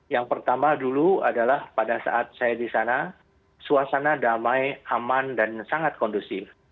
yang pertama dulu adalah pada saat saya di sana suasana damai aman dan sangat kondusif